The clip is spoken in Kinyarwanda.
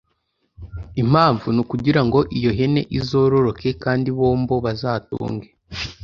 Impamvu ni ukugirango iyo hene izororoke, kandi bombo bazatunge